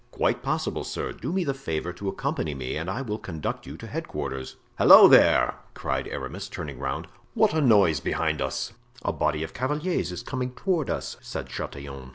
"Quite possible, sir; do me the favor to accompany me and I will conduct you to headquarters." "Halloo, there!" cried Aramis, turning around; "what a noise behind us!" "A body of cavaliers is coming toward us," said Chatillon.